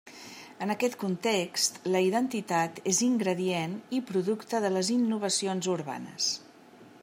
En aquest context, la identitat és ingredient i producte de les innovacions urbanes.